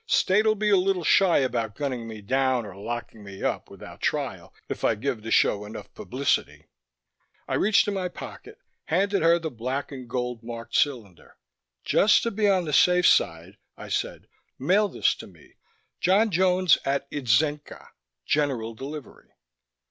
State'll be a little shy about gunning me down or locking me up without trial, if I give the show enough publicity." I reached in my pocket, handed her the black and gold marked cylinder. "Just to be on the safe side," I said, "mail this to me: John Jones at Itzenca, general delivery."